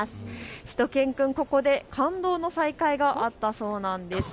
しゅと犬くん、ここで感動の再会があったそうなんです。